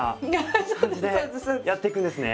やっていくんですね。